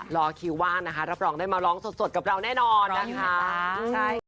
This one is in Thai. รอคิวว่างนะคะรับรองได้มาร้องสดกับเราแน่นอนนะคะ